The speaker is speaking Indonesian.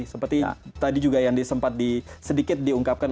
seperti tadi juga yang sempat sedikit diungkapkan